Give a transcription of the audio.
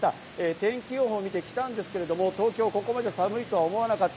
天気予報を見てきたんですけれども、東京、ここまで寒いと思わなかった。